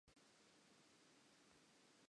E ne e le phoofolo e hlomphehang.